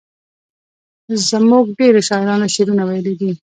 زموږ ډیرو شاعرانو شعرونه ویلي دي.